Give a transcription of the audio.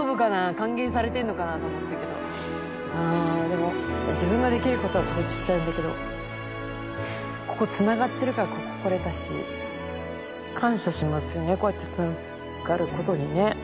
歓迎されてるのかなと思ったけど、でも、自分ができることはすごいちっちゃいんだけど、ここつながってるからここ来れたし、感謝しますよね、こうやってつながることにね。